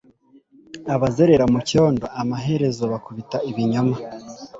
Abazerera mucyondo amaherezo bakubita ibinyoma